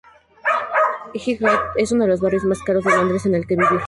Highgate es uno de los barrios más caros de Londres en el que vivir.